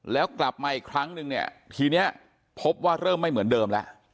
แล้วกลับมาอีกครั้งนึงเนี่ยทีนี้พบว่าเริ่มไม่เหมือนเดิมแล้ว